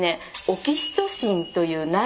オキシトシンという内